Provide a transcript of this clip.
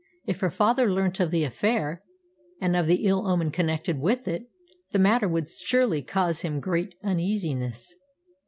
If her father learnt of the affair, and of the ill omen connected with it, the matter would surely cause him great uneasiness.